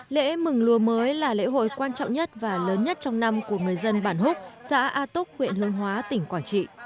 lễ mừng lúa mới là lễ hội quan trọng nhất và lớn nhất trong năm của người dân bản húc xã a túc huyện hương hóa tỉnh quảng trị